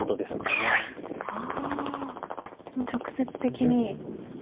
ああもう直接的に。